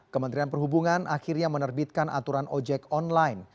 kementerian perhubungan akhirnya menerbitkan aturan ojek online